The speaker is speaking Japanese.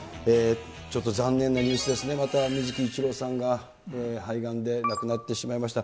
ちょっと残念なニュースですね、また水木一郎さんが、肺がんで亡くなってしまいました。